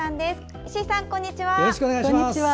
石井さん、こんにちは。